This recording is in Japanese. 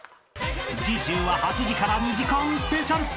［次週は８時から２時間スペシャル］